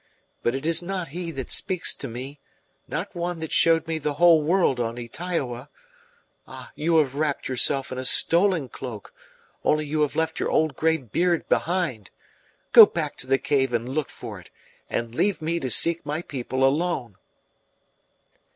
But it is not he that speaks to me not one that showed me the whole world on Ytaioa. Ah, you have wrapped yourself in a stolen cloak, only you have left your old grey beard behind! Go back to the cave and look for it, and leave me to seek my people alone!"